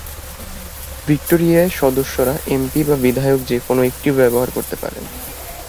ভিক্টোরিয়ায় সদস্যরা এমপি বা বিধায়ক যে কোনও একটির ব্যবহার করতে পারেন।